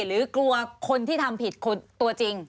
หรือกลัวคนที่ทำผิดคนตัวจริง